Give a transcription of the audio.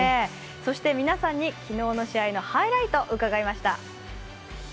そして皆さんに昨日の試合のハイライトを聞きました。